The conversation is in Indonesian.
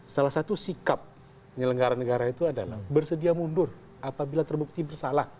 salah satu sikap penyelenggara negara itu adalah bersedia mundur apabila terbukti bersalah